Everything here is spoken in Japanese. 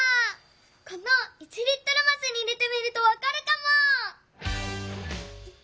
この１リットルますに入れてみるとわかるかも。